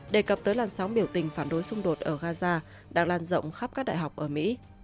đề cập tới làn sóng biểu tình phản đối xung đột ở gaza đang lan rộng khắp các đại học ở mỹ